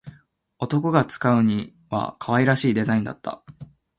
男が使うには可愛らしいデザインだった